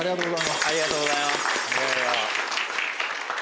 ありがとうございます。